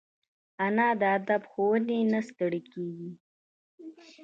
انا د ادب ښوونې نه ستړي کېږي